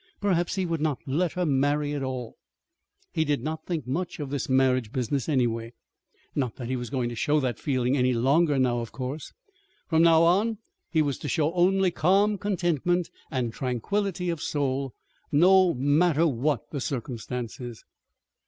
Perhaps he would not let her marry at all. He did not think much of this marriage business, anyway. Not that he was going to show that feeling any longer now, of course. From now on he was to show only calm contentment and tranquillity of soul, no matter what the circumstances.